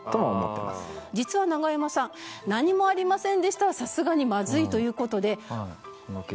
実はナガヤマさん「何もありませんでした」はさすがにまずいという事で。